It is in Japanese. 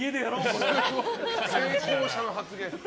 成功者の発言。